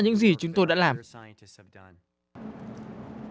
chúng tôi đã đảm bảo tính an toàn và hiệu quả của vaccine